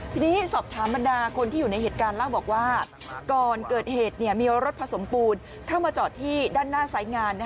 ทีนี้สอบถามบรรดาคนที่อยู่ในเหตุการณ์เล่าบอกว่าก่อนเกิดเหตุมีรถผสมปูนเข้ามาจอดที่ด้านหน้าสายงาน